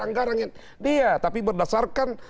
anggaran dia tapi berdasarkan